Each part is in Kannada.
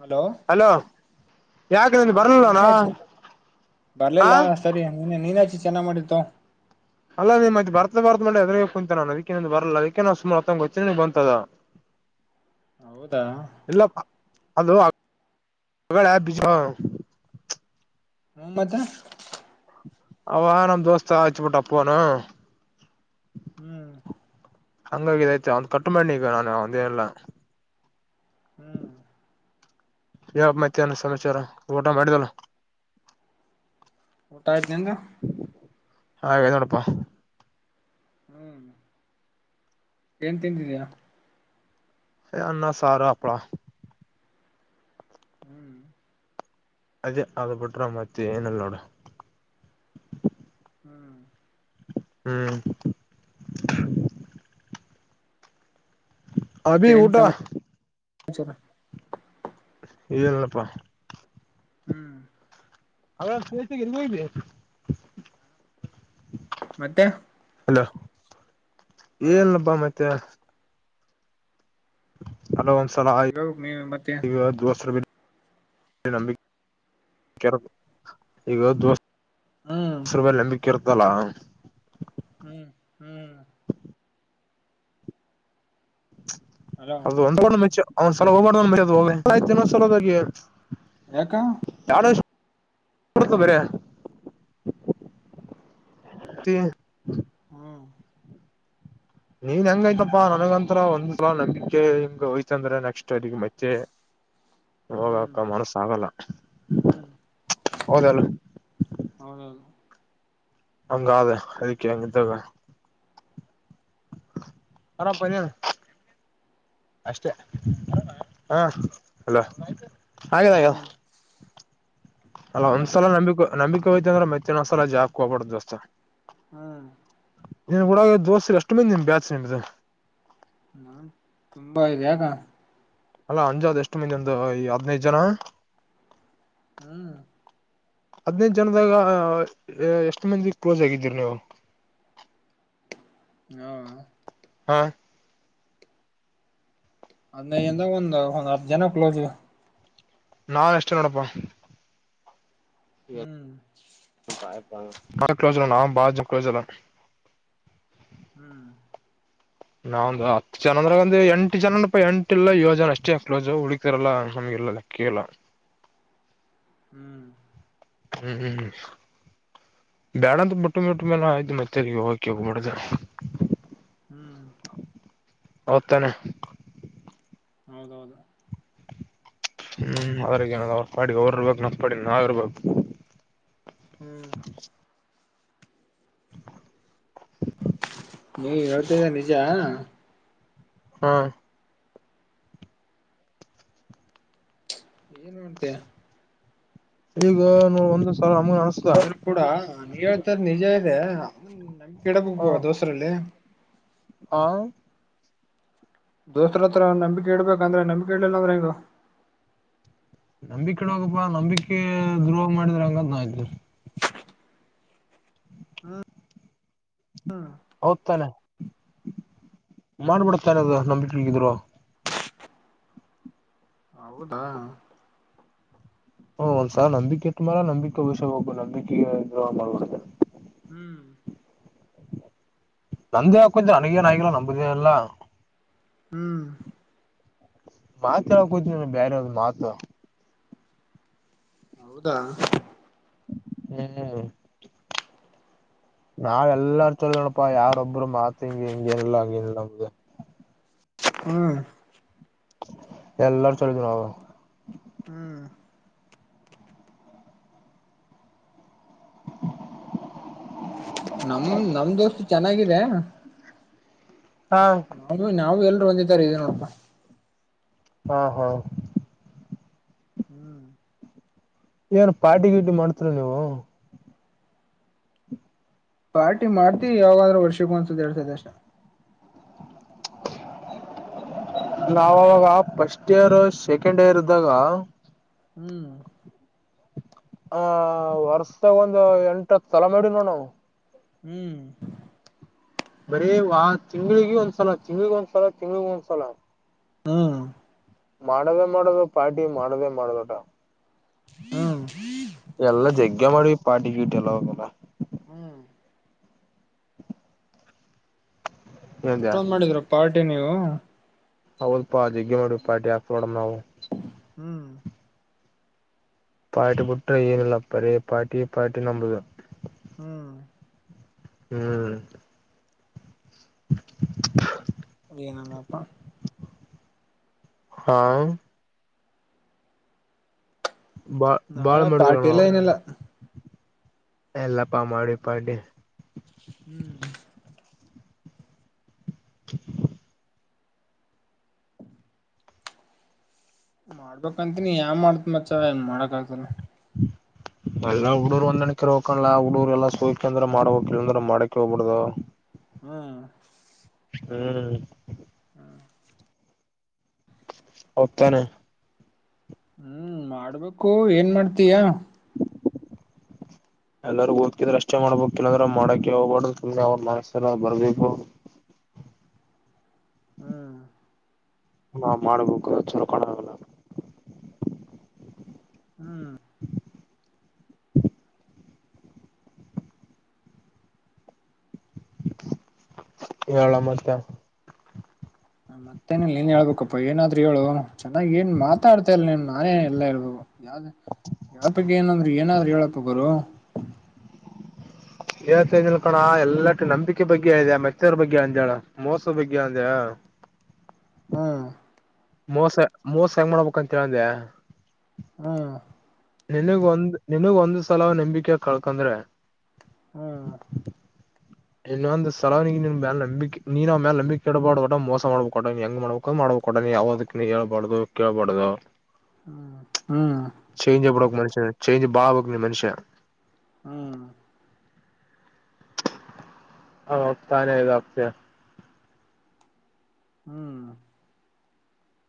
ಹಲೋ ಯಾಕೆ ನನ್ ಮಾ ಬರ್ಲಲ್ಲನಾ ನೀಜ ಹಾ ಬ--ಲ್ಲಾ ಸರಿ ನಿನ್ನ ನೀನಾಚಿ ಚೆನ್ನ್ ಮಾಡಿದ್ದು. ಅಲ್ಲ ನೀಮ್ ಮತ್ ಬರ್ತ ಬರ್ತ ಮಾಡೆ ಅದ ಕುಂತ ನ ಅದಕ್ಕೆೇಂದ ಬರಲ್ಲ ಅದಕ್ಕೆ ನಾ ಸುಮಾರುತ್ತೊಂಗ ಹಚ್ಚಚಗ್ ಬಂತದ. [unintelligible] ಹೌದಾ. ಇಲ್ಲ ಅದು.. ಮೊಹಮ್ಮತಾ. ಅವಾ ನಮ್ಮ್ ದೋಸ್ತಾ ಆಚು ಬಿಟ್ಟಾಪ್ಪನುು. ಹ್ಮ್. ಹಂಗಾಗಿಿದೈತ ಒಂದ್ ಕಟ್ು ಮಾಡನಿ ಈಗ ನಾನು ಒಂದೇನಲ್ಲ.. ಹ್ಮ್. ಯಾವ ಮಾತಿ ಅನ್ನ ಸಮಾಚಾರ ಊಟ ಮಾಡಿದಲ್ಲ. ಹೋಟಾ ದಂಗಾ. ಹಾ ಹೇಳನೋಡಪ್ಪಾ. ಹ್ಮ್ ಏನ್ ತಿಂದಿದೀಯಾ. ಅನ್ನ ಸಾರಪ್ಳ. ಹ್ಮ್ [unintelligible] ಅದೇ ಅದ ಬಿಟ್ರ ಮತ್ತೆ ಏನಲ್ಲೋಡ. ಹ್ಮ್. ಹ್ಮ್. ಅಭಿ ಮತ್ತೆ ಏನ್ ಊಟ ಸಮಾಚಾರ ಏಲ್ಲಪ್ಪ. ಹ್ಮ್. ಹ ಸತ ಗರಿಗ. ಮತ್ತೆ. ಅಲ ಹ ಏನಬ ಮತ್ತೆ. ಹಲೋ ಅಸಲ.. ಇವಾಗ ನೀ ಮತ್ತೆ ನಂಬೆ ಕೆ ಈಗ ದೋಸ್.. ಹ್ಮ್ ಗೆಸರ್ ಬಲ್ ನಂಬಿಕಿರ್ತಲ್ಲ.. ಹ್ಮ್ ಹ್ಮ್. ಹಲೋ ಅದು ಒಂದ ಮುಚೆ ಅವ್ನ್ ಸಲ ಹೋಗಬಾರ ಒ ಮರೋದು ಹೋಮೆ. ಪ್ರತಿ ಆಯ್ತಿ ಇನ್ನೊಂದ್ ಸಲ ಬಗ್ಗೆ. ಯಾಕ ಯಾಡುಸ್ ಬರೆ.. [inaudible] ಹ್ಮ್. ನೀನ್ ಹೆಂಗಯ್ತಪಾ ನನಗಂತರು ಒಂದ್ಸಲ ನಂಬಿಕೆ ಹಿಂಗ ಹೋಯ್ತ ಅಂದ್ರ ನೆಸ್ಟ್ ಯಾರಿಗೂ ಮತ್.. ಮತ್ತೆ ಹ್ಮ್ ಹೋಗಕ್ಕ ಮನಸ ಆಗಲ್ಲ ಹ್ಮ್ ಹೌದಾ ಇಲ್ಲ. ಹೌದೌದು. ಹಂಗ ಆದ ಅದಕ್ಕೆ ಹೆಂಗಿದ್ದಾಗ. ಅರಾಮ್ ಪಾ ನಿನ್. ಅಷ್ಟೆ ಹ ಅಲೋ ಆಗ್ಯಾದ್ ಆಗ್ಯಾದ.. ಹ್ಮ್ ಅಲ್ಲ ಅಲ ಒಂದ್ಸಲ ನಂಬಿಕೆ ನಂಬಿಕೆ ಹೋಯ್ತ್ ಅಂದ್ರ ಮತ್ತೆ ಇನ್ನೋದ್ಸಲ ಆ ಜಾಕ್ ಹೋಗ್ಬಾಡ್ದು ದೋಸ್ತ. ಹ್ಮ್. ನಿನ್ ಗುಡಾಗ್ ದೋಸ್ತ್ರ ಎಷ್ಟ್ ಮಂದಿ ಬ್ಯಾಚ್ ನಿಮ್ದ್. ಹ್ಮ ತುಂಬಾ ಇದೆ ಯಾಕ. ಅಲ್ಲಾ ಅಂಜಾದ್ ಎಷ್ಟು ಮಂದಿ ಒಂದು ಈ ಹದನೈದ ಜನ ಹ್ಮ್ ಹದ್ನನೈದ ಜನದಾಗ ಎಷ್ಟು ಮಂದಿ ಕ್ಲೋಸ್ ಆಗಿದ್ದೀರಿ ನೀವು [inaudible] ನಾವ ಹಾ ಒಂದ ಏನ್ ಒಂದ್ ಹತ್ತ ಜನ ಕ್ಲೋಸ್ ಇವಿ ನಾನ್ ಎಷ್ಟು ನೋಡಪ್ಪಾ ಹ್ಮ್ [unintelligible] ನಾವು ಕ್ಲೋಸ ನಾವು ಬಾಳ್ ಜನಕ್ಕ ಕ್ಲೋಸ್ ಇಲ್ಲ ಹ್ಮ್ ನಾವೊಂದು ಹತ್ತು ಜನ ಅಂದ್ರ ಅಂದ ಎಂಟ್ ಜನಪ್ಪ ಎಂಟ ಇಲ್ಲ ಏಳು ಜನ ಅಷ್ಟೇ ಕ್ಲೋಸ್ ಉಲ್ಕಿದೊರಲ್ಲ ನಮ್ಗೆ ಇಲ್ಲಲೆ ಕೆಲ ಹ್ಮ್ ಹ್ಮ್ ಹ್ಮ್ ಬೇಡಂತ ಬಟ್ಟು ಮಟ್ಟು ಮೇಲೆ ಆಯ್ತು ಮತ್ತೆರಿಗೆ ಹೋಗಕಿ ಹೋಗ್ಬಡ್ದ ಹ್ಮ್ [inaudible] ಹೌದ ತಾನೆ ಹೌದೌ ಹೌದ [inaudible] ಹ್ಮ್ ಅವ್ರ ಏನಅದ ಅವ್ರ ಪಾಡಿಗೆ ಅವ್ರ ಇರಬೇಕ ನಮ್ಮ ಪಾಡಿಗೆ ನಾವ ಇರಬೇಕ ಹ್ಮ್ [inaudible] ನೀವ ಹೇಳತಾ ಇರೋದ ನಿಜಾ ಹು ಏನ್ ಉಣ್ಣತಿ ಈಗನೊ ಒಂದ್ ಸಲ ನಮಗೂ ಅನ್ಸತೇತಿ ಆದ್ರ ಕೂಡ ನೀ ಹೇಳ್ತಾಇರೋದ ನಿಜ ಇದೆ [inaudible] ನಂಬಿಕೆ ಇಡಬೇಕ ದೋಸ್ರಲ್ಲಿ ಹಾ ದೋಸ್ತರ ಹತ್ರ ನಂಬಿಕೆ ಇಡ್ಬೇಕು ಅಂದ್ರೆ ನಂಬಿಕೆ ಇಡ್ಲಿಲ್ಲ ಅಂದ್ರ ಹೆಂಗೋ ನಂಬಿಕೆ ಇಡ್ಬೇಕಪ್ಪ ನಂಬಿಕೆ ದ್ರೋಹ ಮಾಡಿದ್ರೆ ಹೆಂಗಂತ ನಾ ಅಂತೀನಿ ಹ್ಮ [inaudible] ಹ್ಮ ಹೌದ್ತಾನೆ [inaudible] ಮಾಡ್ಬಿಡ್ತಾನೆ ಅದು ನಂಬಿಕೆದ್ರೋ ಹೌದಾ ಹ್ಮ ಒಂದ್ಸಲಾ ನಂಬಿಕೆ ಇಟ್ಟ ಮೇಲೆ ನಂಬಿಕೆ ಉಳಸ್ಕೊಬೇಕ್ ನಂಬಿಕೆ ದ್ರೋಹ ಮಾಡಬಾರದ [inaudible] ಹ್ಮ ನಂದೇ ಹಾಕೋದ್ದ ನನಗೇನ ಆಗಿಲ್ಲ ನಂಬುದೇ ಎಲ್ಲ ಹ್ಮ್ ಮಾತಯಾವಾಗ್ ಕೂತ ಬೇರೆ ಯಾವ್ದ ಮಾತ ಹೌದಾ ಹ್ಮ ನಾವಲ್ಲರ ಚಲದೋಣ್ಣಪ್ಪಾ ಯಾರೊಬ್ರು ಮಾತ್ ಹಿಂಗಿ ಹಿಂಗೇ ನಿಲ್ಲ ಹಂಗೇನ್ಇಲ್ಲಾ ನಮ್ದ್ ಹ್ಮ್ ಎಲ್ಲಾರು ಚೊಲೊದಿವ್ ನಾವು. ಹ್ಮ್ ನಮ್ ನಮ್ ದೋಸ್ತು ಚೆನ್ನಾಗಿದೆ. ಹಾ ಅವ ನಾವು ಎಲ್ರರು ಒಂದೇ ತರ ಇದೀವಿ ನೋಡಪ್ಪ ಹಾ ಹಾ ಹ್ಮ್ ಏನ್ ಪಾರಟಿ ಗೀಟಿ ಮಾಡ್ತರಿ ನೀವು ಪಾರ್ಟಿ ಮಾಡ್ತಿವಿ ಯಾವಾಗಾದ್ರೂ ವರ್ಷಗೂ ಅನ್ಸದೆ ಎರ್ತೈದ ಅಷ್ಟ ನಾವಾಗ ಫಸ್ಟ್ ಇಯರ್ ಸೆಕೆಂಡ್ ಇಯರ್ ಇದ್ದಾಗ ಹ್ಮ್ ಆ ವರ್ಷಾಗ ಒಂದು್ ಎಂಟತ್ ತಲ ಮಾಡಿ ನೋ ನಾವು ಹ್ಮ್ ಬರೀ ವ ತಿಂಗಗಳಳಿಗೆ ಒಂದ್ಸಲ ತಿಂಗ್ಳಿಗೆ ಒಂದ್ಸಲ ತಿಂಗಗಳಗ ಒಂದ್ಸಲ ಹಾ ಮಾಡೋದೇ ಮಾಡೋದು ಪಾರ್ಟಿ ಮಾಡೋದೇ ಮಾಡೋದುಟಾ ಹ್ಮ ಎಲ್ಲ ಜಗ್ಗ ಮಾಡಿ ಪಾಟಿ ಪೀಟಿ ಎಲ್ಲ ಹೋಗಲ್ಲ ಹ್ಮ್ ಏಂದ್ಯಾ ಅಷ್ಟೊಂದ್ ಮಾಡಿದ್ರರು ಪಾರ್ಟಿ ನೀವು ಹೌದಪ್ಪಾ ಜಗ್ಗೆ ಮಾಡಿ ಪಾಟಿಾಸ್ೋಡಣ ನಾವು ಹ್ಮ್ ಪಾಟಿಬುಟ್ಟ್ರ ಏನಿಲ್ಲಪ್ಪ ರೇ ಪಾಟಿ ಪಾಟಿ ನಂಬದು ಹ್ಮ್ ಹ್ಮ್ [inaudible] ನುಲ್ಲಪ್ಪ ಹಾ ಬಾಳ್ ಬಾಳ್ ನಾವೇ ಮಾಡಿದ್್ರ ಪಾರ್ಟಿ ನಾವು ಎಲ್ಲ ಏನಿಲ್ಲ ಎಲ್ಲಪ್ಪ ಮಾಡಿ ಪಡಿ ಹ್ಮ್ [inaudible] ಮಾಡ್ಬಂತ ನೀ ಯಾನ್ ಮಾಡತ್ ಮಚ ಏನ್ ಮಾಡಕ್ ಆಲ್ಲ [inaudible] ಎಲ್ಲಾ ಹುಡುೂರು ಒಂದಣಕಿ ಹಕಲ್ಲ ಹುಡಗರುಲ್ಲ ಸೋಕ ಅ್ರ ಮಾಡ ಹಕಿಲ್ಲ ಅಂದ್ರೆ ಮಾಡಕ ಹೋಗ್ಬಿಡ್ದು ಹ್ಮ್ ಹ್ಮ್ ಹತಾನೆ ಹ್ಮ್ ಮಾಡ್ಬೇಕು ಏನ್ ಮಾಡ್ತಯಾ [inaudible] ಎಲ್ಲರಿೂ ಓದ್ಕಿದ್ರೆ ಅಷ್ಟೇ ಮಾಡ್ಬಬೇಕಲ್ಲಂದ್ರ ಮಾಡಕ ಹೋಗ್ಬಾರ್ದ ಸುಮ್ಮನೆ ಅವ್ರ ಮನಸರ ಬರ್ಬೇಕು ಹ್ಮ್ ಹಾ ಮಾಡ್ಬೇಕು ಚಲಕೊಂಡಾಗಲ್ಲ ಹ್ಮ್ ಹೇಳ ಮತ್ತೆ ಮತ್ತೇನನ್ ನೀನ್ ಹೇಳ್ಬೇಕಪ್ಪ ಏನಾದ್ರರು ಹೇಳು ಚೆನ್ನಾಗಿ ಏನ್ ಮಾತಾಡ್ತಾ ಇರ್ ನೀ ನಾನೇ ಎಲ್ಲಾೇಬೇಕು ಯಾವ್ದ ಯಪಿಗೆ ಏನಂದ್ರರು ಏನಾದ್ರರು ಹೇಳಪ್ಪ ಗರು ಹಏಳ್ತಿಲ್ಕೋಣ ಎಲ್ಲಟ ನಂಬಿಕೆ ಬಗ್ಗೆ ಇದೆ ಮೆತ್ತರ ಬಗ್ಗೆ ಅಂಜಳ ಮೋಸ ಬಗ್ ಅಂದಯ ಹ್ಮ ಮೋಸ ಮೋಸ ಹೆಂಗ್ ಮಾಡ್ಬೇಕ ಅಂತ ಹೇಳೇಳಂದೆ ಹ್ಮ್ ನಿನಗ್ ಒಂದ್ ನಿನಗ್ ಒಂದ್ ಸಲ ನಂಬಿಕೆ ಕಳ್ಕಂದ್ರೆ ಹ್ಮ್ ಇನ್ನೊಂದಂದು ಸಲವಿಗೆನ್ ಮ ನಂಬಿಕೆ ನೀನ್ ಅವ್ ಮೇಲೆ ನಂಬಿಕೆಡಬಾಡ್ ಕೊಟ ಮೋಸ ಮಾಡ್ಬೇಕ ಕೊಟ್ಟಟ ಹೆಂಗ ಮಾಡ್ಬೇಕು ಮಾಡಬೇಕು ಕೊಡ ನೀ ಯಾವವುದಕ್ಕ ನೀ ಹೇಳ್ಬಾರ್ದು ಕೇಳ್ಬಾರ್ದು ಹ್ಮ ಹ್ಮ್ ಚೇಂಜ್ ಎಪ್ಪಡ ಮನುಷ್ಯ ಚೇಂಜ್ ಬಾಬೋಗಿ ಮನುಷ್ಯ ಹ್ಮ್ ಹ ತಾನೇ ಇದು ಆಪ್ತಾ ಹ್ಮ್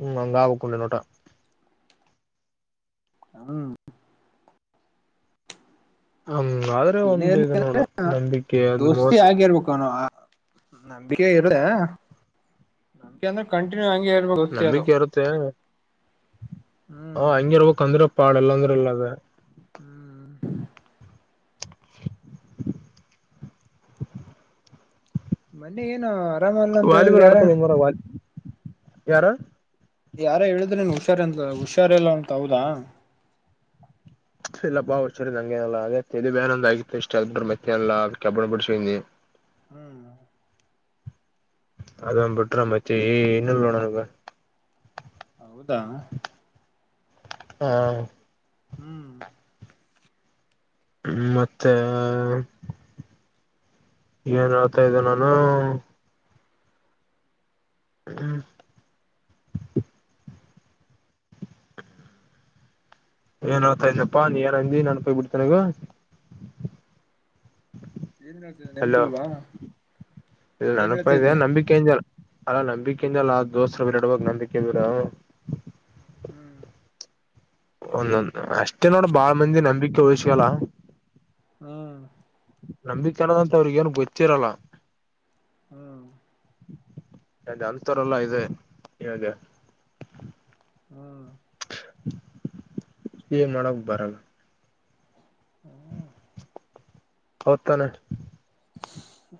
ಹ್ಮ್ ಹಂಗ ಆವುಕ್ಕೊಂಡೆ ನೋಟಾ ಹ್ಮ್ ಹಂಗ್ ಆದ್ರೆ ಇನ್ನ ಒಂದ್ ಇದು ಅ್ರೆ ನೋಡು ನಂಬಿಕೆ ದೋಸ್ತಿ ಮೋಸ ಆಗಿರ್ಬೇಕ [inaudible] ನಂಬಿಕೆ ಇರದೆ ನಂಬಿಕೆ ಅಂದ್ರೆ ಕಂಟಿನ್ಯೂ ಹ ನಂಬಿಕೆ ಇರುತ್ತೆ ಹ ಹ್ಮ್ ಹಂಗಿರ್ಬಕ್ ಅಂದ್ರೆ ಪಾಳ ಎಲ್ಲಾಂದ್ರೆ ಇಲ್ಲ ಅದ ಹ್ಮ್ [unintelligible] ಮೊನ್ನೆ ಏನ ವಾಲಿಬಾಲ್ ಆಡ್ತ ಮನ್ ಮರ ವಾಲ ಯಾರು ಯಾರ ಹೇಳಿದ್ರೆ ನೀನ್ ಹುಷಾರ ಅಂತ ಹುಷಾರಲ್ಲ ಅಂತ ಹೌದಾ ಇಲ್ಲ ಬಾರ್ರ್ ಹಂಗೇನಲ್ಲ ಅದೇ ತೆದು ಬೇನಂದ ಆಗಿತ್ತು ಇಷ್ಟ ಎ ಬಿ ಮೆತ್ತೆನಲ್ಲ ಕಬ್ಣ ಬಿಡ್ ಹ್ಮ್ ಅದ ಬಿಡ್ರ ಮತ್ತೆ ಇನ್ನುಣನಗ ಹೌದಾ ಹಾ ಹ್ಮ್ ಹ್ಮ ಮತ್ತೆ ಏನ್ ಹಳ್ತಾ ಇದ್ದೆ ನಾನು ಹ್ಮ್ [unintelligible] ಏನ್ ಹತಾ ಇದನಪ್ಪಾ ನೀ ಏನಂದ ನನ್ಪಯ ಬಿಡ್ತನೆಗ ಏನ್ ಹೇಳ್ತಿದ್ದೆ ಹಲೋ ನೆನಪಿಲ್ವಾ ಇ ಏನ್ ನನಪ್ದ ಹೇಳ್ತಿದ್ದೆ ನಂಬಿಕೆ ಅಲ್ಲಾ ನಂಬಿಕೆಜಲ್ಲ ಆ ದೋಸ್ತರು ಬಿಡವಾಗ ನಂದಿಕೇರ ಹ್ಮ್ ಒಂದೊಂದ್ ಅಷ್ಟೇ ನೋಡ ಬಾಳ ಮಂದಿ ನಂಬಿಕೆ ಹಯ್ಕಲ್ಲ ಹ್ಮ್ ನಂಬ್ಕನದಂತ ಅವ್ರಿಗ ಏನ್ ಗೊತ್ತಿರಲ್ಲ ಹ್ಮ ಹಾಗೆ ಅಂತರೆಲ್ಲ ಇದೆ ಹಾಗ. ಹ್ಮ [inaudible] ಏನ್ ಮಾಡಕ್ ಬರಲ್ಲ. ಹ್ಮ [inaudible] ಹದ್ತಾನೆ..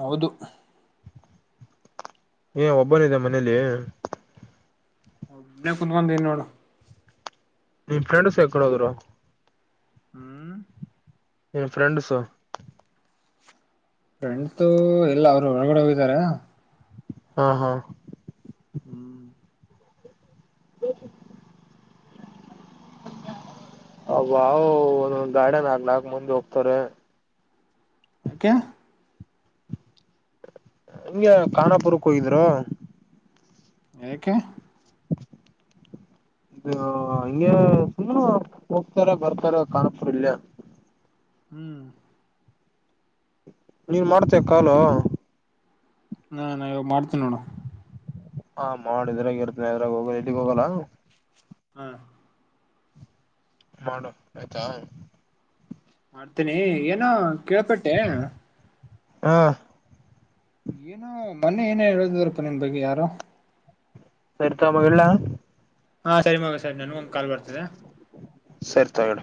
ಹೌದು! ಏ ಒಬ್ಬನಿದೆ ಮನೇಲಿ... ಹೌ ಕುತ್ ಬಂದನ್ ನೋಡು. ನಿನ್ ಫ್ರೆಂಡ್ಸ್ ಎಕಡೋ್ರು... ಹ್ಮ್ [inaudible] ನಿನ್ನ ಫ್ರೆಂಡ್ಸು. ಫ್ರೆಂಡ್ ತು ಎಲ್ಲ ಅವರು ಒಳಗಡೆ ಹೋಗಿದಾರ. ಹಾ ಹಾ [unintelligible] ಹ್ಮ್ [unintelligible] ಹ ಅಾ ಒಂದೊಂದ್ ಗಾಡ ನಾಲ್ ನಾಕ ಮುಂದ ಹೋಗ್ತಾರೆ ಆಕ ನಿಮ್ಗೆ ಕಖಾನಾಪುರಕ್ಕೆ ಹೋಗಿದ್ರು ಯಏಕ [unintelligible] ಅ ಹಂಗೆ ಸುಮ್ಮ ಹೋಗ್ತಾರ ಬರ್ತಾರ ಕಾಣಪುರ್ ಇಲ್ಯ... ಹ್ಮ್ [inaudible] ನೀನ್ ಮಾಡ್ತೇ ಕಾಲು... ಹಾಾನಾ ಇವಾಗ ಮಾಡ್ತೀನ ನೋಡ. ಹಾ ಮಾಡಿದ್ರಾಗ ಇರ್ತೇನೆ ಅದ್ರಾಗ ಹೋಗ ಎಲ್ಲಿಗ್ ಹೋಗಲ್ಲ. ಹಾ [inaudible] ಮಾಡು ಆಯ್ತಾ... ಮಾಡ್ತೇನಿ ಏನ ಕೇಳ್ಪಟ್ಟೆ... ಹಾ [inaudible] ಏನೋ ಮನೆ ಏನ ಹೇಳುದವರ್ಪ್ಪ ನಿಮ್ ಬಗ್ಗೆ ಯಾರೋ... ಸರಿತ ಮಲ್ಲ... ಹಾ ಸರಿ ಮಗ ಸರಿ ನನ್ಗ ಒಂದ ಕಾ ಬರ್ತದೆ... ಸರಿ ತಗಡ.